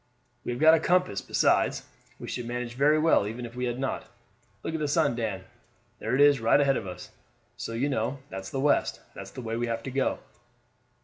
"We have got a compass; besides, we should manage very well even if we had not. Look at the sun, Dan. There it is right ahead of us. So, you know, that's the west that's the way we have to go."